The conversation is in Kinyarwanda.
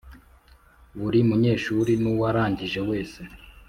Buri munyeshuri n uwarangije wese